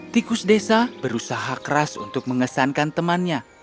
tikus desa berusaha keras untuk mengesankan temannya